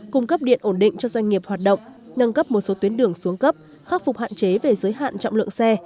cung cấp điện ổn định cho doanh nghiệp hoạt động nâng cấp một số tuyến đường xuống cấp khắc phục hạn chế về giới hạn trọng lượng xe